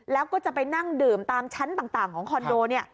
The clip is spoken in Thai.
แล้วก็จะไปนั่งดื่มตามชั้นต่างของคอนโดเนี่ย